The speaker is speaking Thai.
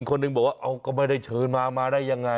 คนหนึ่งบอกว่าเอาก็ไม่ได้เชิญมามาได้ยังไง